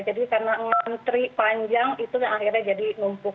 jadi karena ngantri panjang itu akhirnya jadi numpuk